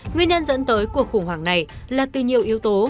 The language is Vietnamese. nguyên nhân dẫn tới cuộc khủng hoảng này là từ nhiều yếu tố